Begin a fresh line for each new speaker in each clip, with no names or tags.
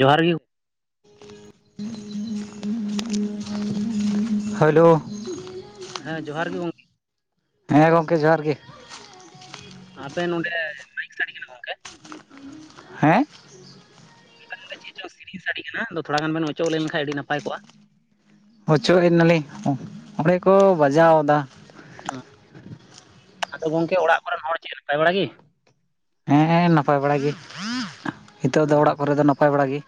ᱡᱚᱦᱟᱨ ᱜᱮ
ᱦᱮᱞᱳ
ᱦᱮᱸ ᱡᱚᱦᱟᱨ ᱜᱮ ᱜᱚᱝᱠᱮ
ᱦᱮᱸ ᱜᱚᱝᱠᱮ ᱡᱚᱦᱟᱨ ᱜᱮ᱾
ᱟᱯᱮ ᱱᱚᱸᱰᱮ ᱢᱟᱹᱭᱤᱠ ᱥᱟᱰᱮ ᱠᱟᱱᱟ ᱜᱚᱝᱠᱮ
ᱦᱮᱸ
ᱪᱮᱫ ᱪᱚᱝ ᱥᱮᱨᱮᱧ ᱥᱟᱰᱮ ᱠᱟᱱᱟ ᱛᱷᱚᱲᱟ ᱜᱟᱱ ᱵᱮᱱ ᱚᱪᱚᱜ ᱞᱮᱱ ᱠᱷᱟᱱ ᱟᱹᱰᱤ ᱱᱟᱯᱟᱭ ᱠᱚᱜ-ᱟ᱾
ᱚᱪᱚᱜ ᱮᱱᱟ ᱞᱤᱧ ᱚᱸᱰᱮ ᱠᱚ ᱵᱟᱡᱟᱣ ᱮᱫᱟ᱾
ᱟᱫᱚ ᱜᱚᱝᱠᱮ ᱚᱲᱟᱜ ᱠᱚᱨᱮᱱ ᱦᱚᱲ ᱪᱮᱫ ᱱᱟᱯᱟᱭ ᱵᱟᱲᱟ ᱜᱤ?
ᱦᱮᱸ ᱱᱟᱯᱟᱭ ᱵᱟᱲᱟ ᱜᱮ ᱱᱤᱛᱚᱜ ᱫᱚ ᱚᱲᱟᱜ ᱠᱚ ᱨᱮ ᱫᱚ ᱱᱟᱯᱟᱭ ᱵᱟᱲᱟ ᱜᱮ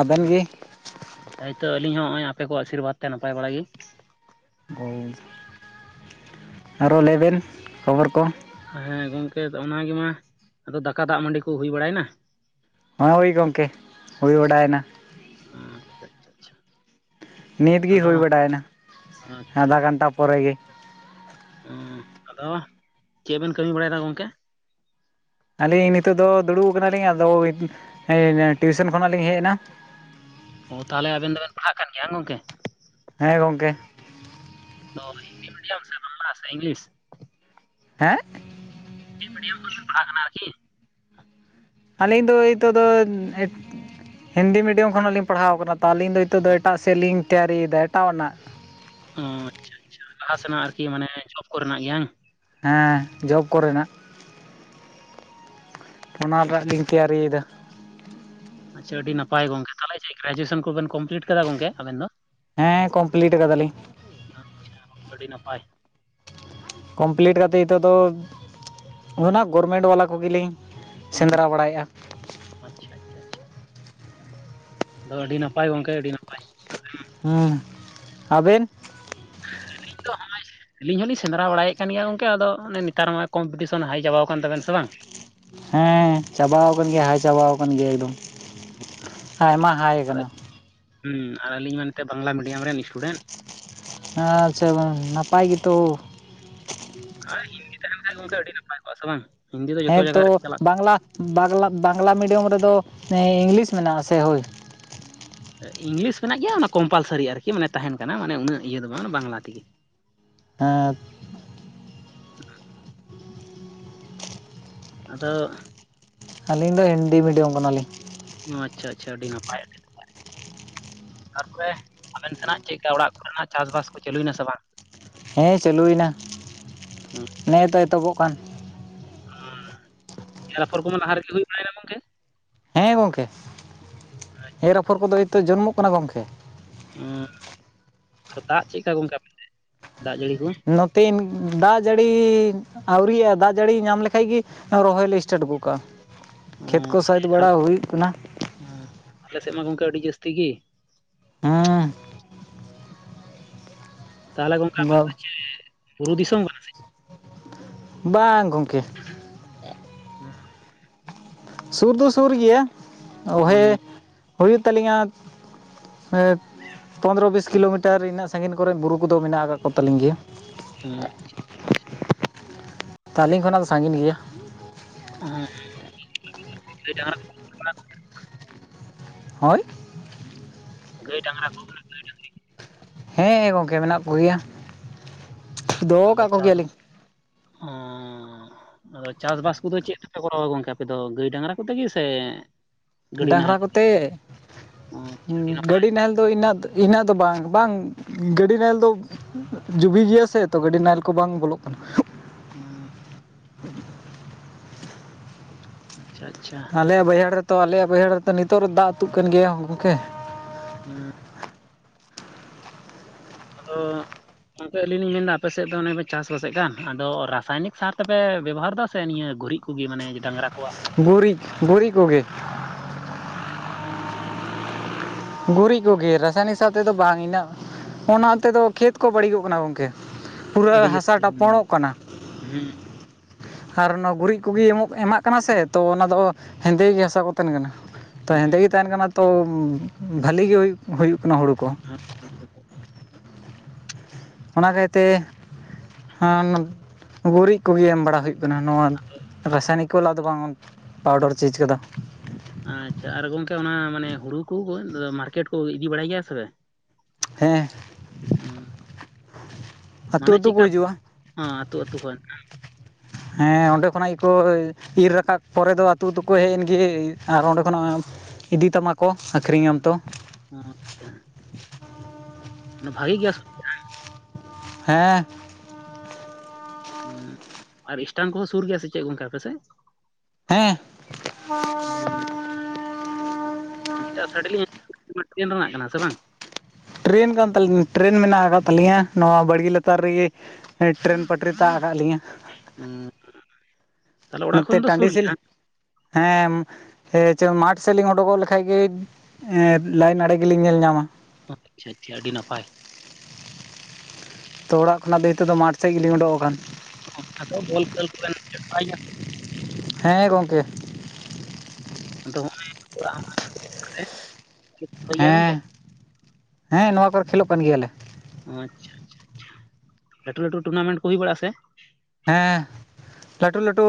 ᱟᱵᱮᱱ ᱜᱤ?
ᱦᱚᱭ ᱛᱳ ᱟᱞᱤᱧ ᱦᱚᱸ ᱱᱚᱜᱼᱚᱭ ᱟᱯᱮ ᱠᱚᱣᱟᱜ ᱟᱥᱤᱨ ᱵᱟᱫᱽ ᱛᱮ ᱱᱟᱯᱟᱭ ᱵᱟᱲᱟᱭ ᱜᱮ
[unintelligible] [inaudible] ᱟᱨᱚ ᱞᱟᱹᱭ ᱵᱮᱱ ᱠᱷᱚᱵᱚᱨ ᱠᱚ
ᱦᱮᱸ ᱜᱚᱝᱠᱮ ᱚᱱᱟ ᱜᱮ ᱢᱟ ᱟᱫᱚ ᱫᱟᱠᱟ ᱫᱟᱜ ᱢᱟᱹᱰᱤ ᱠᱚ ᱦᱩᱭ ᱵᱟᱲᱟᱭ ᱱᱟ᱾
ᱦᱳᱭ ᱜᱚᱝᱠᱮ ᱦᱩᱭ ᱵᱟᱰᱟᱭ ᱮᱱᱟ᱾
ᱦᱩᱸ ᱟᱪᱪᱷᱟ ᱟᱪᱪᱷᱟ ᱟᱪᱪᱷᱟ
ᱱᱤᱛ ᱜᱮ
ᱟᱫᱚ
ᱦᱩᱭ ᱵᱟᱲᱟᱭ ᱮᱱᱟ
ᱟᱪᱪᱷᱟ
ᱟᱫᱷᱟ ᱜᱷᱚᱱ ᱴᱟ ᱯᱚ ᱨᱮ ᱜᱮ
ᱦᱩ ᱟᱫᱚ ᱪᱮᱫ ᱵᱮᱱ ᱠᱟᱹᱢᱤ ᱵᱟᱲᱟᱭ ᱫᱟ ᱜᱚᱝᱠᱮ
ᱟᱹᱞᱤᱧ ᱱᱤᱛᱚᱜ ᱫᱚ ᱫᱩᱲᱩᱵ ᱟ ᱠᱟᱱᱟ ᱞᱤᱧ ᱟᱫᱚ ᱴᱤᱭᱩ ᱥᱚᱱ ᱠᱷᱚ ᱱᱟᱜ ᱞᱤᱧ ᱦᱮᱡ ᱮᱱᱟ᱾
ᱚ ᱛᱟᱦᱞᱮ ᱟᱵᱮᱱ ᱫᱚ ᱯᱟᱲ ᱦᱟᱜ ᱠᱟᱱ ᱜᱮᱭᱟ ᱵᱮᱱ ᱜᱚᱝᱠᱮ
ᱦᱮᱸ ᱜᱚᱝᱠᱮ
ᱦᱤᱱᱫᱤ ᱢᱤᱰᱤᱭᱟᱢ, ᱥᱮ ᱵᱟᱝᱞᱟ, ᱥᱮ ᱤᱝᱞᱤᱥ
ᱦᱮᱸ
ᱪᱮᱫ ᱢᱤᱰᱤᱭᱟᱢ ᱠᱷᱚᱱ ᱵᱤᱱ ᱯᱟᱲ ᱦᱟᱜ ᱠᱟᱱᱟ ᱟᱨᱠᱤ
ᱟᱹᱞᱤᱧ ᱫᱚ ᱱᱤᱛᱚᱜ ᱫᱚ ᱦᱤᱱᱫᱤ ᱢᱤᱰᱤᱭᱟᱢ ᱠᱷᱚ ᱱᱟᱜ ᱞᱤᱧ ᱯᱟᱲ ᱦᱟᱣ ᱟᱠᱟᱱᱟ ᱛᱚ ᱟᱹᱞᱤᱧ ᱫᱚ ᱱᱤᱛᱚᱜ ᱫᱚ ᱮᱴᱟᱜ ᱥᱮᱫ ᱞᱤᱝ ᱛᱮᱭᱟᱨᱤ ᱭᱮᱫᱟ ᱮᱴᱟᱜ ᱱᱟᱜ
ᱚ ᱟᱪᱪᱷᱟ ᱟᱪᱪᱷᱟ ᱞᱟᱦᱟ ᱥᱮᱱᱟᱜ ᱟᱨᱠᱤ ᱢᱟᱱᱮ ᱡᱚᱵ ᱠᱚᱨᱮ ᱱᱟᱜ ᱜᱮ ᱵᱟᱝ
ᱦᱮᱸ ᱡᱚᱵ ᱠᱚ ᱨᱮᱱᱟᱜ ᱚᱱᱟ ᱨᱮᱱᱟᱜ ᱜᱤᱧ ᱛᱮᱭᱟᱨᱤ ᱫᱟ
ᱟᱪᱪᱷᱟ ᱟᱹᱰᱤ ᱱᱟᱯᱟᱭ ᱜᱚᱝᱠᱮ ᱛᱟᱦᱚᱞᱮ ᱪᱮᱫ ᱜᱨᱮᱡᱩᱭᱮ ᱥᱚᱱ ᱠᱚᱵᱮᱱ ᱠᱚᱢ ᱯᱤᱞᱤᱴ ᱠᱟᱫᱟ ᱜᱚᱝᱠᱮ ᱟᱵᱮᱱ ᱫᱚ?
ᱦᱮᱸ ᱠᱚᱢ ᱯᱤᱞᱤᱴ ᱠᱟᱫᱟ ᱞᱤᱧ
ᱟᱪᱪᱷᱟ ᱟᱹᱰᱤ ᱱᱟᱯᱟᱭ
ᱠᱚᱢ ᱯᱤᱞᱤᱴ ᱠᱟᱛᱮᱫ ᱱᱤᱛᱚᱜ ᱫᱚ ᱚᱱᱟ ᱜᱚᱨᱢᱮᱱᱴ ᱵᱟᱞᱟ ᱠᱚ ᱜᱮ ᱞᱤᱧ
ᱦᱩᱸ,
ᱥᱮᱸᱫᱽᱨᱟ ᱵᱟᱲᱟ ᱭᱮᱜ-ᱟ
ᱟᱪᱪᱷᱟ ᱟᱪᱪᱷᱟ ᱟᱪᱷᱟ ᱫᱚ ᱟᱹᱰᱤ ᱱᱟᱯᱟᱭ ᱜᱚᱝᱠᱮ ᱟᱹᱰᱤ ᱱᱟ
ᱦᱩᱸ ᱟᱵᱮᱱᱼᱼ
[unintelligible] ᱟᱹᱞᱤᱧ ᱦᱚᱞᱤᱧ ᱥᱮᱸᱫᱽᱨᱟ ᱵᱟᱲᱟᱭ ᱮᱫ ᱠᱟᱱ ᱜᱮᱭᱟ ᱜᱚᱝᱠᱮ ᱟᱫᱚ ᱚᱱᱮ ᱱᱮᱛᱟᱨ ᱢᱟ ᱠᱚᱢᱯᱤᱴᱤᱥᱚᱱ ᱦᱟᱭ ᱪᱟᱵᱟᱣ ᱟᱠᱟᱱ ᱛᱟᱵᱮᱱ ᱥᱮ ᱵᱟᱝᱼᱼ
ᱦᱮᱸ ᱪᱟᱵᱟᱣ ᱟᱠᱟᱱ ᱜᱮᱭᱟ ᱦᱟᱭ ᱪᱟᱵᱟ ᱟᱠᱟᱱ ᱜᱮᱭᱟ ᱮᱠᱫᱚᱢ ᱟᱭᱢᱟ ᱦᱟᱭ
ᱟᱨ
ᱠᱟᱱᱟᱼᱼ
ᱦᱩᱸ ᱟᱨ ᱟᱞᱤᱧ ᱢᱟ ᱮᱱ ᱛᱮᱫ ᱵᱟᱝᱞᱟ ᱢᱤᱰᱤᱭᱟᱢ ᱨᱮᱱ ᱤᱥᱴᱩᱰᱮᱱᱴ
ᱟᱪᱪᱷᱟ [inaudible] ᱱᱟᱯᱟᱭ ᱜᱮᱛᱚᱼᱼ
ᱟᱨ ᱦᱤᱱᱫᱤ ᱛᱟᱦᱮᱱ ᱠᱷᱟᱡ ᱫᱚ ᱜᱚᱢᱠᱮ ᱟᱹᱰᱤ ᱱᱟᱯᱟᱭ ᱠᱚᱜᱼᱟ ᱥᱮ ᱵᱟᱝᱼᱼ
ᱦᱮᱸ ᱛᱚ ᱵᱟᱝᱞᱟ ᱵᱟᱝᱞᱟ ᱵᱟᱝᱞᱟ ᱢᱤᱰᱤᱭᱟᱢ ᱨᱮ ᱫᱚ ᱤᱝᱞᱤᱥ ᱢᱮᱱᱟᱜᱼᱟ ᱥᱮ ᱦᱳᱭ
ᱤᱝᱞᱤᱥ ᱢᱮᱱᱟᱜ ᱜᱮᱭᱟ ᱚᱱᱟ ᱠᱚᱢᱯᱟᱞᱥᱟᱨᱤ ᱟᱨᱠᱤ ᱢᱟᱱᱮ ᱛᱟᱦᱮᱱ ᱠᱟᱱᱟ ᱢᱟᱱᱮ ᱩᱱᱟᱹᱜ ᱤᱭᱟᱹ ᱫᱚ ᱵᱟᱝ ᱵᱟᱝᱞᱟ ᱛᱮ ᱜᱮᱼᱼ
ᱦᱮᱸ
ᱟᱫᱚᱼᱼ
ᱟᱹᱞᱤᱧ ᱫᱚ ᱦᱤᱱᱫᱤ ᱢᱤᱰᱤᱭᱟᱢ ᱠᱟᱱᱟᱞᱤᱧ
ᱚ ᱟᱪᱪᱷᱟ ᱟᱪᱪᱷᱟ ᱟᱹᱰᱤ ᱱᱟᱯᱟᱭ ᱱᱟᱯᱟᱭ ᱛᱟᱨᱯᱚᱨᱮ ᱟᱵᱮᱱ ᱥᱮᱱᱟᱜ ᱪᱮᱜ ᱠᱟ ᱚᱲᱟᱜ ᱠᱚ ᱨᱮᱱᱟᱜ ᱪᱟᱥ ᱵᱟᱥ ᱠᱚ ᱪᱟᱹᱞᱩᱭᱱᱟ ᱥᱮ ᱵᱟᱝᱼᱼ
ᱦᱮᱸ ᱪᱟᱹᱞᱩᱭ ᱮᱱᱟ ᱱᱮᱛᱚ ᱮᱛᱚᱦᱚᱵᱚᱜ ᱠᱟᱱ
[unintelligible] ᱮᱨ ᱯᱷᱚᱨ ᱠᱚᱢᱟ ᱞᱟᱦᱟ ᱨᱮ ᱜᱮ ᱦᱩᱭᱩᱜ ᱛᱟᱦᱮᱱᱟ ᱜᱚᱝᱠᱮ
ᱦᱮᱸ ᱜᱚᱢᱠᱮ ᱮᱨ ᱟᱯᱷᱚᱨ ᱠᱚᱫᱚ ᱦᱚᱭ ᱛᱚ ᱡᱚᱱᱢᱚᱜ ᱠᱟᱱᱟ ᱜᱚᱢᱠᱮ
ᱚᱸᱻᱻ ᱫᱟᱜ ᱪᱮᱜ ᱠᱟ ᱜᱚᱝᱠᱮ ᱟᱯᱮ ᱥᱮᱱ ᱫᱟᱜ ᱡᱟᱹᱲᱤ ᱠᱚᱼᱼ
ᱱᱚᱛᱮ ᱫᱟᱜ ᱡᱟᱹᱲᱤ ᱟᱹᱣᱨᱤᱜᱼᱟ ᱫᱟᱜ ᱡᱟᱹᱲᱤ ᱧᱟᱢ ᱞᱮᱠᱷᱟᱡ ᱜᱮᱼᱼ ᱨᱚᱦᱚᱭ ᱞᱮ ᱥᱴᱟᱴ ᱜᱚᱛ ᱠᱟᱜᱼᱟ ᱠᱷᱮᱛ ᱠᱚ ᱥᱟᱹᱫ ᱵᱟᱲᱟ ᱦᱩᱭᱩᱜ ᱠᱟᱱᱟ
ᱚᱸ ᱟᱞᱮ ᱥᱮᱫ ᱢᱟ ᱜᱚᱝᱠᱮ ᱟᱹᱰᱤ ᱡᱟᱹᱥᱛᱤ ᱜᱤ
ᱦᱩᱸ
ᱛᱟᱦᱚᱞᱮ ᱜᱚᱝᱠᱮ ᱟᱯᱮ ᱥᱮᱫ ᱫᱚ ᱪᱮᱜ ᱵᱩᱨᱩ ᱫᱤᱥᱚᱢ ᱜᱮᱼᱼ
ᱵᱟᱝ ᱜᱚᱢᱠᱮ
[unintelligible]
ᱥᱩᱨ ᱫᱚ ᱥᱩᱨ ᱜᱮᱭᱟ ᱚᱦᱮ ᱦᱩᱭᱩᱜ ᱛᱟᱹᱞᱤᱧᱟ ᱯᱚᱱᱫᱽᱨᱚ ᱵᱤᱥ ᱠᱤᱞᱳᱢᱤᱴᱟᱨ ᱤᱱᱟᱹᱜ ᱥᱟᱸᱹᱜᱤᱧ ᱠᱚᱨᱮᱜ ᱵᱩᱨᱩ ᱠᱚ ᱫᱚ ᱢᱮᱱᱟᱜ ᱟᱠᱟᱫ ᱠᱚ ᱛᱟᱹᱞᱤᱧ ᱜᱮᱭᱟ
ᱦᱮᱸ
ᱛᱟᱞᱤᱧ ᱠᱷᱚᱱᱟᱜ ᱫᱚ ᱥᱟᱸᱹᱜᱤᱧ ᱜᱮᱭᱟ
[unintelligible] [unintelligible]
ᱦᱳᱭ
ᱜᱟᱹᱭ ᱰᱟᱝᱨᱟ ᱠᱚ ᱢᱟᱱᱮ ᱜᱟᱹᱭ ᱰᱟᱝᱨᱤ ᱠᱚ ᱼᱼ
ᱦᱮᱸ ᱜᱚᱢᱠᱮ ᱢᱮᱱᱟᱜ ᱠᱚ ᱜᱮᱭᱟ᱾
ᱟᱫᱚ ᱪᱟᱥ [unintelligible] ᱟᱫᱚ ᱪᱟᱥ ᱵᱟᱥ ᱠᱚ ᱫᱚ ᱪᱮᱫ ᱛᱮ ᱯᱮ ᱠᱚᱨᱟᱣᱟ ᱜᱚᱝᱠᱮ ᱟᱯᱮ ᱫᱚ ᱜᱟᱹᱭ ᱰᱟᱝᱨᱟ ᱠᱚ ᱛᱮ ᱜᱮ ᱥᱮᱼᱼ
ᱰᱟᱝᱨᱟ ᱠᱚᱛᱮ
ᱟᱪᱪᱷᱟ ᱟᱹᱰᱤ ᱱᱟᱯᱟᱭ
ᱜᱟᱹᱰᱤ ᱱᱟᱦᱮᱞ ᱫᱚ ᱤᱱᱟᱹᱜᱼᱼ ᱤᱱᱟᱹᱜ ᱫᱚ ᱵᱟᱝ ᱵᱟᱝ ᱜᱟᱹᱰᱤ ᱱᱟᱦᱮᱞ ᱫᱚᱼᱼ ᱡᱩᱵᱤ ᱜᱮᱭᱟ ᱥᱮ ᱛᱚ ᱜᱟᱹᱰᱤ ᱱᱟᱦᱮᱞ ᱠᱚ ᱵᱟᱝ ᱵᱚᱞᱚᱜ ᱠᱟᱱᱟ᱾
[unintelligible] ᱟᱪᱪᱷᱟ ᱟᱪᱪᱷᱟ
ᱟᱞᱮᱭᱟᱜ ᱵᱟᱹᱭᱦᱟᱹᱲ ᱨᱮᱛᱚ ᱟᱞᱮᱭᱟᱜ ᱵᱚᱭᱦᱟᱹᱲ ᱨᱮᱛᱚ ᱱᱤᱛᱚᱜ ᱫᱚ ᱫᱟᱜ ᱟᱛᱩᱜ ᱠᱟᱱ ᱜᱮᱭᱟ ᱜᱚᱝᱠᱮ᱾
ᱦᱮᱸ ᱟᱫᱚ [unintelligible] ᱟᱹᱞᱤᱧ ᱞᱤᱧ ᱢᱮᱱ ᱮᱫᱟ ᱟᱯᱮ ᱥᱮᱫ ᱫᱚ ᱚᱱᱮ ᱯᱮ ᱪᱟᱥ ᱵᱟᱥ ᱮᱫ ᱠᱟᱱ ᱟᱫᱚ ᱨᱟᱥᱟᱭᱱᱚᱱᱤᱠ ᱥᱟᱨ ᱛᱮ ᱯᱮ ᱵᱮᱵᱚᱦᱟᱨᱫᱟ ᱥᱮ ᱱᱤᱭᱟᱹ ᱜᱩᱨᱤᱡᱼᱼ ᱩᱱᱠᱩ ᱜᱮ ᱢᱟᱱᱮ ᱰᱟᱝᱨᱟ ᱠᱚᱣᱟᱜ
ᱜᱩᱨᱤᱡ ᱜᱩᱨᱤᱡ ᱠᱚ ᱜᱮ᱾ ᱜᱩᱨᱤᱡ ᱠᱚ ᱜᱮ ᱨᱟᱥᱟᱭᱱᱤᱠ ᱥᱟᱨ ᱛᱮ ᱫᱚ ᱵᱟᱝ ᱤᱱᱟᱹᱜ ᱚᱱᱟ ᱛᱮ ᱫᱚ ᱠᱷᱮᱛ ᱠᱚ ᱵᱟᱹᱲᱤᱡᱚᱜ ᱠᱟᱱᱟ ᱜᱚᱝᱠᱮ᱾ ᱯᱩᱨᱟᱹ
ᱟᱹᱰᱤ
ᱦᱟᱥᱟ [unintelligible]
ᱡᱟᱹᱥᱛᱤ ᱦᱩᱸ
ᱚᱜ ᱠᱟᱱᱟ᱾
ᱦᱩᱸ
ᱟᱨ ᱚᱱᱟ ᱜᱩᱨᱤᱡ ᱠᱚ ᱜᱮ ᱮᱢᱚᱜ ᱮᱢᱟᱜ ᱠᱟᱱᱟ ᱥᱮ ᱛᱚ ᱚᱱᱟ ᱫᱚ ᱦᱮᱸᱫᱮ ᱜᱮ ᱦᱟᱥᱟ ᱠᱚ ᱛᱟᱦᱮᱱ ᱠᱟᱱᱟ᱾ ᱛᱚ
ᱦᱩᱸ
ᱦᱮᱸᱫᱮ ᱜᱮ ᱛᱟᱦᱮᱱ ᱠᱟᱱᱟ ᱛᱚ ᱵᱷᱟᱹᱞᱤ ᱜᱮ ᱦᱩᱭᱩᱜ ᱦᱩᱭᱩᱜ ᱠᱟᱱᱟ ᱦᱩᱲᱩ ᱠᱚ᱾
[unintelligible]
ᱚᱱᱟ ᱠᱟᱭᱛᱮ ᱦᱚ ᱜᱩᱨᱤᱡ ᱠᱚᱜᱮ ᱮᱢ ᱵᱟᱲᱟ ᱦᱩᱭᱩᱜ ᱠᱟᱱᱟ ᱱᱚᱣᱟ᱾ ᱨᱟᱥᱟᱭᱱᱤᱠ ᱵᱟᱞᱟ ᱫᱚ ᱵᱟᱝ ᱯᱟᱣᱰᱟᱨ ᱪᱤᱡ ᱠᱟᱫᱟ᱾
ᱟᱪᱪᱷᱟ ᱟᱨ ᱜᱚᱝᱠᱮ ᱚᱱᱟ ᱢᱟᱱᱮ ᱦᱩᱲᱩ ᱠᱚ ᱢᱟᱨᱠᱮᱴ ᱠᱚ ᱤᱫᱤ ᱵᱟᱲᱟᱭ ᱜᱮᱭᱟ ᱥᱮ?
ᱦᱮᱸ
ᱦᱚ
ᱟᱹᱛᱩ
ᱢᱟᱱᱮ
ᱟᱹᱛᱩ ᱠᱚ
ᱪᱮᱫᱠᱟ
ᱦᱤᱡᱩᱜᱼᱟ
ᱟᱹᱛᱩ ᱟᱹᱛᱩ ᱠᱷᱚᱱ
ᱦᱮᱸ ᱚᱸᱰᱮ ᱠᱷᱚᱱᱟᱜ ᱜᱮᱠᱚ ᱤᱨᱻ ᱨᱟᱠᱟᱵ ᱯᱚᱨᱮ ᱫᱚ ᱟᱹᱛᱩ ᱫᱚᱠᱚ ᱦᱮᱡ ᱮᱱ ᱜᱮ ᱟᱨ ᱚᱸᱰᱮ ᱠᱷᱚᱱᱟᱜ ᱤᱫᱤ ᱛᱟᱢᱟ ᱠᱚ ᱟᱹᱠᱷᱨᱤᱧᱟᱢ ᱛᱚ᱾
ᱦᱚ ᱟᱪᱪᱷᱟ ᱢᱟᱱᱮ ᱵᱷᱟᱜᱤ ᱜᱮᱭᱟ᱾
ᱦᱮᱸ
ᱦᱩ ᱟᱨ ᱮᱥᱴᱮᱱ ᱠᱚᱦᱚᱸ ᱥᱩᱨ ᱜᱮᱭᱟ ᱥᱮ ᱪᱮᱫ ᱥᱮ
ᱦᱮᱸ
ᱦᱮᱸ ᱮᱴᱟᱜ ᱥᱟᱰᱮ ᱞᱤᱧ ᱴᱮᱱ ᱨᱮᱱᱟᱜ ᱠᱟᱱᱟ ᱥᱮ ᱵᱟᱝ
ᱴᱨᱮᱱ ᱠᱟᱱ ᱛᱟᱞᱤᱧ ᱴᱨᱮᱹᱱ ᱢᱮᱱᱟᱜ ᱟᱠᱟᱫ ᱛᱟᱹᱞᱤᱧᱟ ᱱᱚᱣᱟ ᱵᱟᱲᱜᱮ ᱞᱟᱛᱟᱨ ᱨᱮᱜᱮ ᱴᱮᱨᱮᱱ ᱯᱟᱹᱴᱨᱤ ᱛᱟᱜ ᱠᱟᱫ ᱞᱤᱧᱟᱹ
ᱦᱩ
ᱱᱚᱛᱮ ᱴᱟᱺᱰᱤ ᱥᱮᱞᱤ ᱦᱮᱸ ᱢᱟᱴᱷ ᱥᱮᱫ ᱞᱤᱧ ᱩᱰᱩᱠᱚᱜ ᱞᱮᱠᱷᱟᱡ ᱜᱮ ᱞᱟᱭᱤᱱ ᱟᱲᱮ ᱜᱮᱞᱤᱧ ᱧᱮᱞ ᱧᱟᱢᱟ᱾
ᱟᱪᱪᱷᱟ ᱟᱪᱪᱷᱟ ᱟᱹᱰᱤ ᱱᱟᱯᱟᱭ
ᱛᱚ ᱚᱲᱟᱜ ᱠᱷᱚᱱᱟᱜ ᱫᱚ ᱱᱤᱛᱚᱜ ᱫᱚ ᱢᱟᱴᱷᱮᱫ ᱜᱮᱞᱤᱧ ᱩᱰᱠ ᱟᱠᱟᱱ᱾
ᱟᱫᱚ ᱵᱚᱞ ᱠᱷᱹᱞ ᱠᱚ ᱵᱮᱱ [unintelligible]
ᱦᱮᱸ ᱜᱚᱢᱠᱮ
[unintelligible]
ᱦᱮᱸ ᱦᱮᱸ ᱱᱚᱣᱟ ᱠᱚᱨᱮ ᱠᱷᱮᱞᱳᱜ ᱠᱟᱱ ᱜᱮᱭᱟᱞᱮ᱾
ᱚᱻ ᱟᱪᱪᱷᱟ ᱟᱪᱪᱷᱟ ᱟ ᱟᱪᱪᱷᱟ ᱞᱟᱹᱴᱩ ᱞᱟᱹᱴᱩ ᱴᱩᱨᱱᱟᱢᱮᱱᱴ ᱠᱚ ᱦᱩᱭ ᱵᱟᱲᱟᱜ ᱟ ᱥᱮ
ᱦᱮᱸ ᱞᱟᱹᱴᱩ ᱞᱟᱹᱴᱩ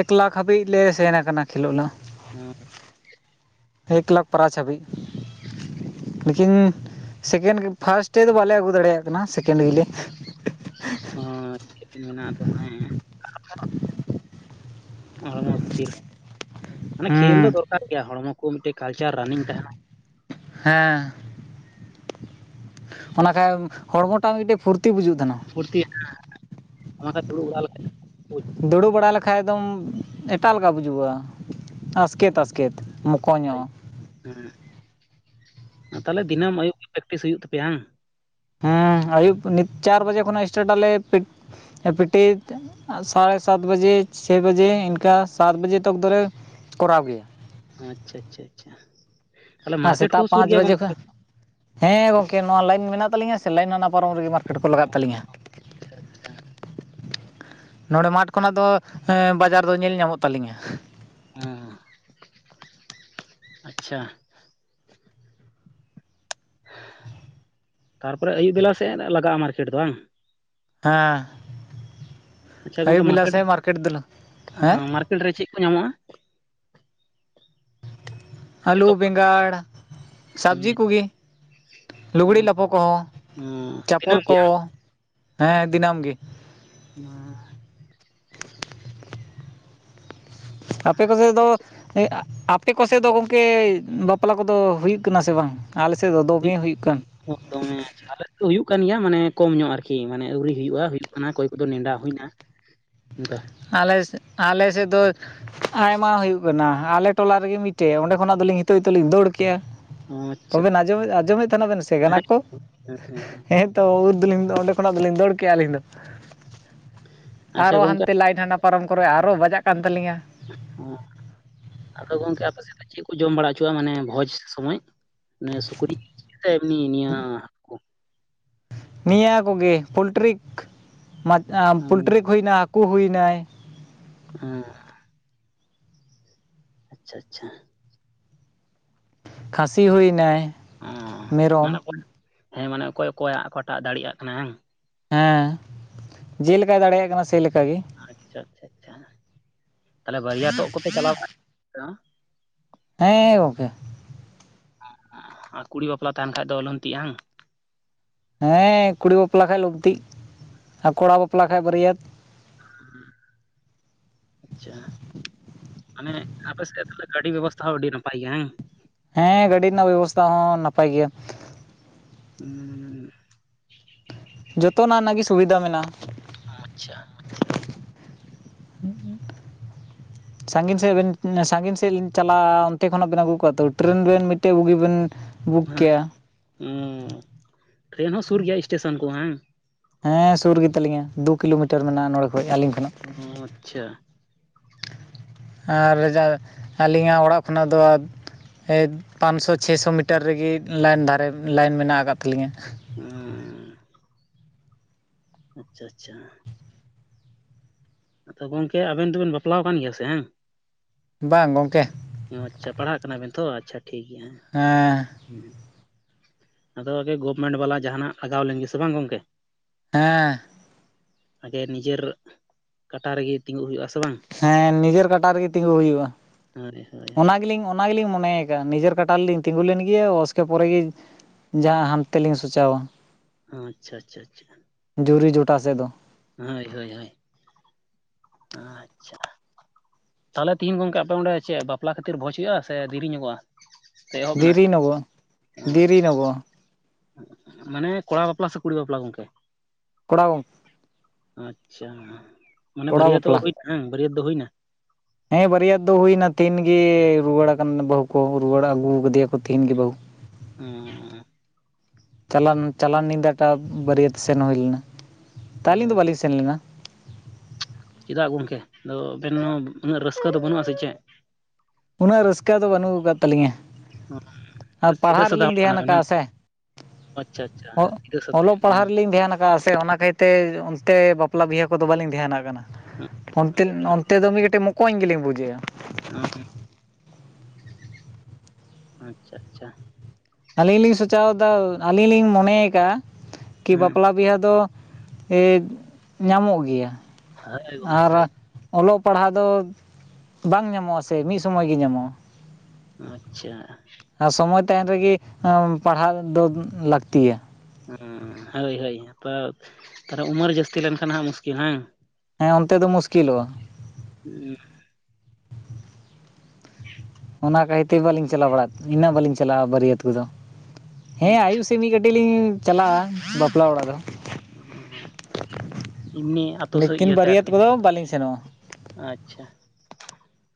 ᱮᱠ ᱞᱟᱠᱷ ᱦᱟᱹᱵᱤᱡ ᱞᱮ ᱥᱮᱱ ᱠᱟᱱᱟ ᱠᱷᱮᱞᱳᱜ [unintelligible]
ᱦ [unintelligible]
ᱮᱠ ᱞᱟᱠᱷ ᱯᱨᱟᱪ ᱦᱟᱹᱵᱤᱜ ᱞᱮᱠᱤᱱ ᱥᱮᱠᱮᱱᱰ ᱯᱷᱟᱥᱴ ᱛᱮᱫᱚ ᱵᱟᱞᱮ ᱟᱹᱜᱩ ᱫᱟᱲᱮᱭᱟ ᱠᱟᱱᱟ ᱥᱮᱠᱮᱱᱰ ᱜᱮᱞᱮ
ᱦᱮᱸ [unintelligible] ᱢᱮᱱᱟᱜ ᱟ ᱛᱚ ᱦᱮᱸ [unintelligible] ᱦᱚᱲᱢᱚ ᱠᱷᱟᱹᱛᱤᱨ ᱢᱟᱱᱮ ᱠᱷᱹᱮᱞ ᱫᱚ
ᱦᱮᱸ
ᱫᱚᱨᱠᱟᱨ ᱜᱮᱭᱟ ᱦᱚᱲᱢᱚ ᱠᱚ ᱢᱤᱫᱴᱮᱡ ᱠᱟᱞᱪᱟᱨ ᱨᱟᱱᱤᱝ ᱛᱟᱦᱮᱱᱟ
ᱦᱮᱸ ᱚᱱᱟ ᱠᱷᱟᱡ ᱮᱢ ᱦᱚᱲᱢᱚᱴᱟᱜ ᱢᱤᱫᱴᱮᱱ ᱯᱷᱩᱨ
ᱯᱷᱩᱨᱛᱤ [unintelligible] ᱠᱚ ᱫᱩᱲᱩᱵ ᱵᱟᱲᱟ ᱞᱮᱠᱷᱟᱡ ᱵᱩᱡᱽ
ᱫᱩᱲᱩᱵ ᱵᱟᱲᱟ ᱞᱮᱠᱷᱟᱡ ᱫᱚᱢ ᱮᱴᱟᱜ ᱞᱮᱠᱟ ᱵᱩᱡᱩᱜ-ᱟ ᱟᱥᱠᱮᱛ, ᱟᱥᱠᱮᱛ, ᱢᱚᱠᱚᱧᱚᱜ
ᱠᱮᱫᱟᱹᱧ᱾ ᱦᱮᱸ ᱛᱟᱦᱚᱞᱮ ᱫᱤᱱᱟᱹᱢ ᱟᱹᱭᱩᱵ ᱯᱮᱠᱴᱤᱥ ᱦᱩᱭᱩᱜ ᱛᱟᱯᱮᱭᱟ ᱦᱟᱝ
ᱦᱮᱸ ᱟᱹᱭᱩᱵ ᱱᱤᱛ ᱪᱟᱨ ᱵᱟᱡᱮ ᱠᱷᱚᱱᱟᱜ ᱥᱴᱟᱴ ᱟᱞᱮ ᱯᱤᱴ ᱯᱤᱴᱤ ᱛᱮ ᱥᱟᱲᱮ ᱥᱟᱛ ᱵᱟᱡᱮ ᱪᱷᱚᱭ ᱵᱟᱡᱮ ᱤᱱᱠᱟᱹ ᱥᱟᱛ ᱵᱟᱡᱮ ᱛᱚᱠ ᱫᱚᱞᱮ ᱠᱚᱨᱟᱣ ᱜᱮᱭᱟ᱾
ᱟᱪᱪᱷᱟ ᱟᱪᱪᱷᱟ ᱟᱪᱪᱷᱟ ᱛᱟᱦᱮ
ᱟᱨ
ᱢᱟᱨᱠᱮᱴ
ᱥᱮᱛᱟᱜ
ᱠᱚᱦᱚᱸ ᱥᱩᱨ
ᱯᱟᱸᱪ
ᱜᱮᱭᱟ
ᱵᱟᱡᱮ
ᱜᱚᱝᱠᱮ
ᱠᱷᱚᱱ ᱦᱮᱸ ᱜᱚᱝᱠᱮ ᱱᱚᱣᱟ ᱞᱟᱭᱤᱱ ᱢᱮᱱᱟᱜ ᱛᱟᱹᱤᱧᱟ ᱥᱮ ᱞᱟᱭᱤᱱ ᱚᱱᱟ ᱯᱟᱨᱚᱢ ᱨᱮᱜᱮ ᱢᱟᱨᱠᱮᱴ ᱠᱚ ᱞᱟᱜᱟᱜ ᱛᱟᱹᱞᱤᱧᱟ
ᱟᱪᱪᱷᱟ ᱟᱪᱪᱷᱟ
ᱱᱚᱰᱮ ᱢᱟᱴᱷ ᱠᱷᱚᱱᱟᱜ ᱫᱚ ᱵᱟᱡᱟᱨ ᱫᱚ ᱧᱮᱞ ᱧᱟᱢᱚᱜ ᱛᱟᱹᱞᱤᱧᱟ
ᱮᱻᱸ ᱟᱪᱪᱷᱟ ᱛᱟᱨᱯᱚᱨᱮ ᱟᱹᱭᱩᱵ ᱵᱮᱞᱟ ᱥᱮᱫ ᱞᱟᱜᱟᱜ-ᱟ ᱢᱟᱨᱠᱮᱴ ᱫᱚ ᱵᱟᱝ
ᱦᱮᱸ
ᱟᱪᱪᱷᱟ
ᱟᱭᱩᱵ
ᱜᱚᱝᱠᱮ
ᱵᱮᱞᱟ ᱥᱮᱫ ᱢᱟᱨᱠᱮᱴ ᱫᱚ ᱦᱮᱸ
ᱠᱷᱮ ᱨᱮ ᱪᱮᱫ ᱠᱚ ᱧᱟᱢᱚᱜ-ᱟ?
ᱟᱹᱞᱩ
ᱡᱚᱛᱚ
ᱵᱮᱸᱜᱟᱲ
ᱦᱩᱸ,
ᱥᱚᱵᱽᱡᱤ ᱠᱚᱜᱮ᱾ ᱞᱩᱜᱽᱲᱤ ᱞᱟᱯᱚ ᱠᱚᱦᱚᱸ
ᱦᱩᱸ,
ᱪᱟᱯᱚᱞ
ᱫᱤᱱᱟᱹᱢ ᱜᱮ
ᱠᱚ ᱦᱮᱸ ᱫᱤᱱᱟᱹᱢ ᱜᱮ᱾
ᱦᱚᱸ
ᱟᱯᱮ ᱠᱚᱥᱮᱫ ᱫᱚ
ᱟᱪᱪᱷᱟ
ᱟᱯᱮ ᱠᱚᱥᱮᱫ ᱫᱚ ᱜᱚᱝᱠᱮ ᱵᱟᱯᱞᱟ ᱠᱚᱫᱚ ᱦᱩᱭᱩᱜ ᱠᱟᱱᱟ ᱥᱮ ᱵᱟᱝ? ᱟᱞᱮᱥᱮᱫ ᱫᱚ ᱫᱚᱢᱮ ᱦᱩᱭᱩᱜ ᱠᱟᱱ᱾
ᱦᱮᱸ ᱫᱚᱢᱮ ᱟᱪᱪᱷᱟ ᱟᱞᱮ ᱥᱮᱫ ᱦᱩᱭᱩᱜ ᱠᱟᱱ ᱜᱮᱭᱟ ᱢᱟᱱᱮ ᱠᱚᱢ ᱧᱚᱜ ᱟᱨᱠᱤ ᱢᱟᱱᱮ ᱟᱹᱣᱨᱤ ᱦᱩᱭᱩᱜᱼᱟ ᱦᱩᱭᱩᱜ ᱠᱟᱱᱟ ᱚᱠᱚᱭ ᱠᱚᱫᱚ ᱱᱮᱰᱟ ᱦᱩᱭᱱᱟ᱾ ᱚᱝᱠᱟ,
ᱟᱞᱮ ᱥᱮᱫ ᱟᱞᱮ ᱥᱮᱫ ᱫᱚ ᱟᱭᱢᱟ ᱦᱩᱭᱩᱜ ᱠᱟᱱᱟ ᱟᱞᱮ ᱴᱚᱞᱟ ᱨᱮᱜᱮ ᱢᱤᱫᱴᱮᱡ ᱚᱸᱰᱮ ᱠᱷᱚᱱᱟᱜ ᱫᱚᱧ ᱱᱤᱛᱚ ᱜᱤᱛᱚᱜ ᱞᱤᱧ ᱫᱟᱹᱲ ᱠᱮᱜᱼᱟ᱾
ᱚ ᱟᱪᱪᱷᱟ
ᱛᱵᱮᱱ ᱟᱸᱡᱚᱢᱮᱜ ᱟᱸᱡᱚᱢᱮᱜ ᱛᱟᱦᱮᱱᱟ ᱵᱮᱱ ᱥᱮ ᱜᱟᱱᱟ
ᱦᱮᱸ
ᱠᱚ ᱦᱮᱸ, ᱩᱨ ᱫᱚᱞᱤᱧ ᱫᱚ ᱚᱸᱰᱮ ᱠᱷᱚᱱᱟᱜ ᱫᱚᱞᱤᱧ ᱫᱟᱹᱲ ᱠᱮᱜᱼᱟ ᱟᱹᱞᱤᱧ ᱫᱚ
ᱟᱪᱪᱷᱟ
ᱟᱨᱚ
ᱜᱚᱝᱠᱮ
ᱦᱟᱱᱛᱮ, ᱞᱟᱭᱮᱴ ᱦᱟᱱᱟ ᱯᱟᱨᱚᱢ ᱠᱚᱨᱮ ᱟᱨᱚ ᱵᱟᱡᱟᱜ ᱠᱟᱱ ᱛᱟᱹᱞᱤᱧᱟ᱾
ᱦᱮᱸ ᱟᱫᱚ ᱜᱚᱝᱠᱮ ᱟᱯᱮ ᱥᱮᱫ ᱫᱚ ᱪᱮᱫ ᱠᱚ ᱡᱚᱢ ᱵᱟᱲᱟ ᱦᱚᱪᱚᱣᱟᱜᱼᱟ ᱢᱟᱱᱮ ᱵᱷᱚᱡᱽ ᱥᱚᱢᱚᱭ ᱢᱟᱱᱮ ᱥᱩᱠᱨᱤ ᱮᱢᱱᱤ ᱱᱤᱭᱟᱹ, ᱦᱟᱹᱠᱩ
ᱱᱤᱭᱟᱹ ᱠᱚᱜᱮ ᱯᱞᱴᱨᱤᱠ ᱢᱟᱪ ᱟ
ᱚᱸ
ᱯᱳᱚᱞᱴᱨᱤᱠ ᱦᱩᱭᱱᱟ ᱦᱟᱹᱠᱩ ᱦᱩᱭᱱᱟᱭ᱾
ᱦᱮᱸ᱾ ᱟᱪᱪᱷᱟ ᱪᱷᱟ᱾
ᱠᱷᱟᱥᱤ ᱦᱩᱭᱱᱟᱭ᱾
ᱚ
ᱢᱮᱨᱚᱢ
ᱢᱟᱱᱮ ᱚᱠᱚᱭ ᱦᱮᱸ ᱢᱟᱱᱮ ᱚᱠᱚᱭ ᱚᱠᱚᱭᱟᱜ ᱚᱠᱟᱴᱟᱜ ᱫᱟᱲᱮᱭᱟᱜ ᱠᱟᱱᱟ ᱦᱟᱝ᱾
ᱦᱮᱸ ᱡᱮᱠᱟᱭ ᱫᱟᱲᱮᱭᱟᱜ ᱠᱟᱱᱟ ᱥᱮ ᱞᱮᱠᱟ ᱜᱮ᱾
ᱟᱪᱪᱷᱟ ᱟᱪᱪᱷᱟ ᱪᱷᱟ ᱛᱟᱦᱚᱞᱮ ᱵᱟᱹᱨᱭᱟᱹᱛ ᱛᱚᱜ ᱠᱚᱯᱮ ᱪᱟᱞᱟᱣ ᱥᱮ ᱵᱟᱝ ᱟᱯᱮ ᱦᱚᱸ,
ᱦᱮᱸ ᱜᱚᱝᱠᱮ᱾
ᱟᱨ ᱠᱩᱲᱤ ᱵᱟᱯᱞᱟ ᱛᱟᱦᱮᱱ ᱠᱷᱟᱡ ᱫᱚ ᱞᱚᱝᱛᱤᱜᱼᱦᱟᱝ᱾
ᱦᱮᱸ ᱠᱩᱲᱤ ᱵᱟᱯᱞᱟ ᱠᱷᱟᱡ ᱞᱩᱸᱛᱤᱜ ᱟᱨ ᱠᱚᱲᱟ ᱵᱟᱯᱞᱟ ᱠᱷᱟᱭᱡ ᱵᱟᱹᱨᱭᱟᱹᱛ᱾
ᱦᱩᱸ, ᱟᱪᱪᱷᱟ ᱢᱟᱱᱮ ᱟᱯᱮ ᱥᱮᱫ ᱛᱟᱦᱚᱞᱮ ᱜᱟᱹᱰᱤ ᱵᱮᱵᱚᱥᱛᱷᱟ ᱦᱚᱸ ᱟᱹᱰᱤ ᱱᱟᱯᱟᱭ ᱜᱮᱭᱟ ᱦᱟᱝ᱾
ᱦᱮᱸ ᱜᱟᱹᱰᱤ ᱨᱮᱱᱟᱜ ᱵᱮᱵᱚᱥᱛᱷᱟ ᱦᱚᱸ ᱱᱟᱯᱟᱭ ᱜᱮᱭᱟ᱾
ᱦᱩᱸ,
ᱡᱚᱛᱚᱱᱟᱜᱱᱟᱜ ᱜᱮ ᱥᱩᱵᱤᱫᱷᱟ ᱢᱮᱱᱟᱜᱼᱟ᱾
ᱟᱪᱪᱷᱟ,
ᱥᱟᱺᱜᱤᱧ ᱥᱮᱫ ᱵᱮᱱ ᱥᱟᱺᱜᱤᱧ ᱥᱮᱫ ᱞᱤᱧ, ᱪᱟᱞᱟᱜᱼᱟ ᱚᱱᱛᱮ ᱠᱷᱚᱱᱟᱜ ᱵᱤᱱ ᱟᱹᱜᱩ ᱠᱚᱣᱟ ᱛᱚ ᱴᱨᱮᱱ ᱨᱤᱱ ᱢᱤᱫᱴᱟᱹᱝ ᱵᱩᱜᱤ ᱵᱤᱱ,
ᱦᱮᱸ ᱦᱩᱸ ᱴᱨᱮᱱ ᱦᱚᱸ ᱥᱩᱨ ᱜᱮᱭᱟ ᱥᱴᱮᱥᱚᱱ ᱠᱚ ᱦᱟᱝ᱾
ᱦᱮᱸ ᱥᱩᱨ ᱜᱮᱛᱟᱞᱤᱧᱟ ᱫᱩ ᱠᱤᱞᱳᱢᱤᱴᱟᱨ ᱢᱮᱱᱟᱜᱼᱟ ᱱᱚᱰᱮ ᱠᱷᱚᱭᱡ ᱟᱹᱞᱤᱧ ᱠᱷᱚᱱᱟᱜ᱾
ᱦᱩᱸ ᱟᱪᱪᱷᱟ᱾
ᱟᱨ ᱡᱟ ᱟᱹᱞᱤᱧᱟᱜ ᱚᱲᱟᱜ ᱠᱷᱚᱱᱟᱜ ᱫᱚ, ᱯᱟᱸᱱᱥᱚ ᱥᱚ ᱪᱷᱮᱥᱚ ᱢᱤᱴᱟᱨ ᱨᱮᱜᱮ ᱞᱟᱭᱤᱱ ᱫᱷᱟᱨᱮ ᱞᱟᱭᱤᱱ ᱢᱮᱱᱟᱜ ᱟᱠᱟᱫ ᱛᱟᱹᱞᱤᱧᱟᱹ᱾
ᱦᱚᱸ, ᱟᱪᱪᱷᱟ ᱪᱷᱟ᱾ ᱟᱫᱚ ᱜᱚᱝᱠᱮ ᱟᱵᱮᱱ ᱫᱚᱵᱮᱱ ᱵᱟᱯᱞᱟᱣ ᱟᱠᱟᱱ ᱜᱮᱭᱟ ᱥᱮ ᱦᱟᱝ᱾
ᱵᱟᱝ ᱜᱚᱝᱠᱮ᱾
ᱚ ᱟᱪᱪᱷᱟ ᱯᱟᱲᱦᱟᱜ ᱠᱟᱱᱟᱵᱮᱱ ᱛᱷᱚ ᱟᱪᱪᱷᱟ ᱴᱷᱤᱠ ᱜᱮᱭᱟ ᱦᱟᱜ᱾
ᱦᱮᱸ,
ᱦᱩᱸ ᱟᱫᱚ ᱜᱚᱵᱷᱚᱢᱮᱱᱴ ᱵᱟᱞᱟ ᱡᱟᱦᱟᱱᱟᱜ ᱟᱜᱟᱣ ᱞᱮᱱ ᱜᱮ ᱥᱮ ᱵᱟᱝ ᱜᱚᱝᱠᱮ᱾
ᱦᱮᱸ,
ᱟᱜᱮ ᱱᱤᱡᱟᱹᱨ ᱠᱟᱴᱟ ᱨᱮᱜᱮ ᱛᱤᱸᱜᱩᱜ ᱦᱩᱭᱩᱜᱼᱟ ᱥᱮ ᱵᱟᱝ᱾
ᱦᱮᱸ ᱱᱤᱡᱟᱹᱨ ᱠᱟᱴᱟ ᱨᱮᱜᱮ ᱛᱤᱸᱜᱩ ᱦᱩᱭᱩᱜᱼᱟ
ᱦᱳᱭ ᱦᱳᱭ
ᱚᱱᱟ
ᱦᱳᱭ
ᱜᱮᱞᱤᱧ, ᱚᱱᱟ ᱜᱮᱞᱤᱧ ᱢᱚᱱᱮ ᱠᱟᱜᱼᱟ ᱱᱤᱡᱮᱨ ᱠᱟᱴᱟ ᱨᱮᱞᱤᱧ ᱛᱤᱸᱜᱩ ᱞᱮᱱ ᱜᱮᱭᱟ ᱚᱥᱠᱮ ᱯᱚᱨᱮ ᱜᱮ, ᱡᱟᱦᱟᱸ ᱦᱟᱱᱛᱮᱞᱤᱧ ᱥᱩᱪᱟᱹᱣᱟ᱾
ᱟᱪᱷᱟ ᱟᱪᱪᱷᱟ ᱟᱪᱪᱷᱟ᱾
ᱡᱩᱨᱤ ᱡᱚᱴᱟ ᱥᱮᱫ ᱫᱚ
ᱦᱳᱭ ᱦᱳᱭ ᱦᱳᱭ ᱟᱪᱪᱷᱟ ᱛᱟᱦᱚᱞᱮ ᱛᱮᱦᱤᱧ ᱜᱚᱝᱠᱮ ᱟᱯᱮ ᱚᱸᱰᱮ ᱪᱮᱜ ᱵᱟᱯᱞᱟ ᱠᱷᱟᱹᱛᱤᱨ ᱵᱷᱚᱡ ᱦᱩᱭᱩᱜᱼᱟ ᱥᱮ ᱫᱤᱨᱤᱧᱚᱜᱚᱼᱟ ᱮᱦᱚᱵ ᱢᱮ
ᱫᱮᱨᱤ ᱧᱚᱜᱚᱜᱼᱟ
ᱦᱮᱸ
ᱫᱮᱨᱤ ᱧᱚᱜᱚᱜᱼᱟ
ᱢᱟᱱᱮ ᱠᱚᱲᱟ ᱵᱟᱯᱞᱟ ᱥᱮ ᱠᱩᱲᱤ ᱵᱟᱯᱞᱟ ᱜᱚᱝᱠᱮ
ᱠᱚᱲᱟᱣ
ᱟᱪᱪᱷᱟ ᱢᱟᱱᱮ
ᱠᱚᱲᱟ
ᱵᱟᱹᱨᱭᱟᱹᱛ ᱛᱚᱜ
ᱵᱟᱯᱞᱟ
ᱠᱩᱡ ᱟᱝ ᱵᱟᱹᱨᱭᱟᱹᱛ ᱫᱚ ᱦᱩᱭᱱᱟ
ᱦᱮᱸ ᱵᱟᱨᱭᱟ ᱫᱚ ᱦᱩᱭᱱᱟ ᱛᱮᱦᱮᱧ ᱜᱮ ᱨᱩᱣᱟᱹᱲ ᱟᱠᱟᱱ ᱵᱟᱹᱦᱩ ᱠᱚ ᱨᱩᱣᱟᱹᱲ ᱟᱹᱜᱩ ᱟᱠᱟᱫᱮᱭᱟ ᱠᱚ ᱛᱮᱦᱮᱧ ᱜᱮ ᱵᱟᱹᱦᱩ
ᱩᱸ
ᱪᱟᱞᱟᱱ ᱪᱟᱞᱟᱱ ᱧᱤᱫᱟᱹ ᱴᱟᱜ ᱵᱟᱹᱨᱭᱟᱹᱛ ᱥᱮᱱ ᱦᱩᱭ ᱞᱮᱱᱟ ᱛᱚ ᱟᱹᱞᱤᱧ
ᱚᱸᱻ
ᱫᱚ ᱵᱟᱹᱞᱤᱧ ᱥᱮᱱ ᱞᱮᱱᱟ
ᱪᱮᱫᱟᱜ ᱜᱚᱝᱠᱮ ᱟᱫᱚ ᱟᱵᱤᱱ ᱦᱚᱸ ᱩᱱᱟᱹᱜ ᱨᱟᱹᱥᱠᱟᱹ ᱫᱚ ᱵᱟᱹᱱᱩᱜᱼᱟ ᱥᱮ ᱪᱮᱜ
ᱩᱱᱟᱹᱜ ᱨᱟᱹᱥᱠᱟᱹ ᱫᱚ ᱵᱟᱹᱱᱩᱜ ᱟᱠᱟᱫ ᱛᱟᱹᱞᱤᱧᱟ ᱟᱨ
ᱥᱤᱫᱟᱹ
ᱯᱟᱲᱦᱟᱜ
ᱥᱟᱫᱟ ᱦᱚᱲ
ᱨᱮᱞᱤᱧ ᱫᱷᱮᱭᱟᱱ
ᱠᱟᱱᱟᱵᱮᱱ ᱵᱟᱝ
ᱟᱠᱟᱜᱼᱟ ᱥᱮ
ᱟᱪᱪᱷᱟ ᱟᱪᱪᱷᱟ
ᱚ
ᱥᱤᱫᱟᱹ ᱥᱟᱫᱟ ᱧᱚᱜ
ᱚᱞᱚᱜ
ᱜᱮᱭᱟ
ᱯᱟᱲᱦᱟᱜ ᱨᱮᱞᱤᱧ ᱫᱷᱮᱭᱟᱱᱟ ᱪᱮᱫᱟᱜ ᱥᱮ ᱚᱱᱟ ᱠᱟᱦᱤ ᱚᱱᱛᱮ ᱵᱟᱯᱞᱟ ᱵᱤᱦᱟᱹ ᱠᱚᱫᱚ ᱵᱟᱹᱞᱤᱧ ᱫᱷᱮᱱᱟᱜ ᱠᱟᱱᱟ
ᱵᱟᱝ ᱟᱪᱪᱷᱟ ᱟᱪᱪᱷᱟ
ᱚᱱᱛᱮᱞ
ᱟᱹᱰᱤ ᱱᱟᱯᱟᱭ
ᱚᱱᱛᱮ ᱫᱚ ᱢᱤᱫ ᱠᱟᱹᱴᱤᱡ ᱢᱚᱠᱚᱧ ᱜᱮᱞᱤᱧ ᱵᱩᱡᱟᱹᱭᱟ
[inaudible] ᱟᱪᱪᱷᱟ ᱟᱪᱪᱷᱟ
ᱟᱹᱞᱤᱧ ᱞᱤᱧ ᱥᱚᱪᱟᱣ ᱫᱟ ᱟᱹᱞᱤᱧ ᱞᱤᱧ ᱢᱚᱱᱮᱭ ᱠᱟᱜᱼᱟ ᱠᱤ
ᱦᱮᱸ
ᱵᱟᱯᱞᱟ ᱵᱤᱦᱟᱹ ᱫᱚ ᱤᱜ ᱧᱟᱢᱚᱜ ᱜᱮᱭᱟ
ᱦᱳᱭ ᱜᱚᱢᱠᱮ
ᱟᱨ
ᱦᱳᱭ
ᱚᱞᱚᱜ ᱯᱟᱲᱦᱟᱣ ᱫᱚ ᱵᱟᱝ ᱧᱟᱢᱚᱜᱼᱟ ᱥᱮ ᱢᱤᱫ ᱥᱚᱢᱚᱭ ᱜᱮ ᱧᱟᱢᱚᱜᱼᱟ᱾
ᱟᱪᱪᱷᱟ
ᱟᱨ ᱥᱚᱢᱚᱭ ᱛᱟᱸᱦᱮᱱ ᱨᱮᱜᱮ ᱯᱟᱲᱦᱟᱣ ᱫᱚ ᱞᱟᱹᱠᱛᱤᱭᱟ
ᱦᱳᱭ ᱦᱳᱭ ᱦᱮᱛᱚ ᱛᱟᱦᱚᱞᱮ ᱩᱢᱟᱹᱨ ᱡᱟᱹᱥᱛᱤ ᱞᱮᱱᱠᱷᱟᱱ ᱦᱟᱜ ᱢᱩᱥᱠᱤᱞ ᱦᱟᱝ
ᱦᱮᱸ ᱚᱱᱛᱮ ᱫᱚ ᱢᱩᱥᱠᱤᱞᱚᱜᱼᱟ
ᱩᱸ
ᱚᱱᱟ ᱠᱷᱟᱹᱤᱨᱛᱮ ᱵᱟᱹᱞᱤᱧ ᱪᱟᱞᱟᱣ ᱵᱟᱲᱟᱜ ᱤᱱᱟᱹᱜ ᱵᱟᱞᱤᱧ ᱪᱟᱞᱟᱜᱼᱟ ᱵᱟᱹᱨᱭᱟᱹᱛ ᱠᱚᱫᱚ ᱦᱮᱸ ᱟᱭᱩᱵ
ᱟᱪᱪᱷᱟ
ᱥᱮᱱ ᱢᱤᱫ ᱜᱴ ᱟᱹᱰᱤ ᱞᱤᱧ ᱪᱟᱞᱟᱜᱼᱟ ᱵᱟᱯᱞᱟ ᱚᱲᱟᱜ ᱫᱚ
ᱮᱢᱱᱤ ᱟᱛᱳ ᱥᱮᱫ
ᱞᱮᱤᱠᱤᱱ
ᱤᱭᱟᱹᱛᱮ
ᱵᱟᱹᱨᱭᱟᱹᱛ
ᱟᱨᱠᱤ
ᱠᱚᱫᱚ
ᱦᱮᱸ
ᱵᱟᱞᱤᱧ ᱥᱮᱱᱚᱜᱼᱟ
ᱟᱪᱪᱷᱟ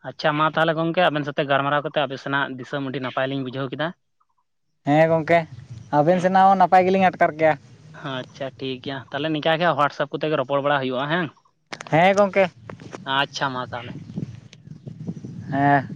ᱟᱪᱪᱷᱟ ᱢᱟ ᱛᱟᱦᱚᱞᱮ ᱜᱚᱝᱠᱮ ᱟᱵᱮᱱ ᱥᱟᱛᱮ ᱜᱟᱞᱢᱟᱨᱟᱣ ᱠᱟᱛᱮ ᱟᱵᱮ ᱥᱮᱱᱟᱜ ᱫᱤᱥᱚᱢ ᱟᱹᱰᱤ ᱱᱟᱯᱟᱭᱞᱤᱧ ᱵᱩᱡᱷᱟᱹᱣ ᱠᱮᱫᱟ
ᱦᱮᱸ ᱜᱚᱝᱠᱮ ᱟᱵᱮᱱ ᱥᱮᱱᱟᱜ ᱦᱚᱸ ᱱᱟᱯᱟᱭ ᱜᱮᱞᱤᱧ ᱟᱴᱠᱟᱨ ᱠᱮᱭᱟ
ᱟᱪᱪᱷᱟ ᱴᱷᱤᱠᱜᱮᱭᱟ ᱛᱟᱦᱚᱞᱮ ᱱᱤᱠᱟ ᱜᱮ ᱦᱚᱣᱟᱴᱥᱟᱯ ᱠᱚᱛᱮᱜ ᱜᱮ ᱨᱚᱯᱚᱲ ᱵᱟᱲᱟ ᱦᱩᱭᱩᱜᱼᱟ ᱦᱮᱸ
ᱦᱮᱸ ᱜᱚᱝᱠᱮ
ᱟᱪᱪᱷᱟ ᱢᱟ ᱛᱟᱦᱚᱞᱮ
ᱦᱮᱸ